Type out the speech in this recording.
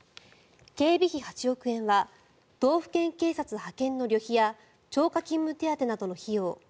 警備費８億円は道府県警察派遣の旅費や超過勤務手当などの費用。